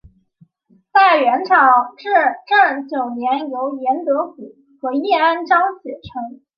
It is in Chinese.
在元朝至正九年由严德甫和晏天章写成。